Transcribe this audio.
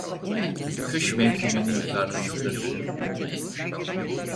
Kış mevsiminin tanrısıdır.